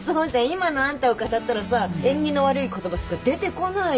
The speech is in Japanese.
今のあんたを語ったらさ縁起の悪い言葉しか出てこないじゃん。